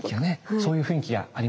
そういう雰囲気がありますよね。